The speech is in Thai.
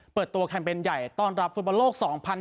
เปิดตัวแคมเปญใหญ่ต้อนรับฟุตบอลโลก๒๐๑๖